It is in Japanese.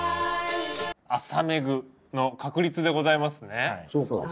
「あさめぐ」の確立でございますね。